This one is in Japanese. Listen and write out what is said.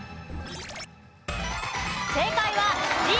正解は「じ」。